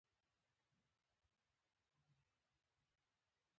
د کندز په دشت ارچي کې د څه شي نښې دي؟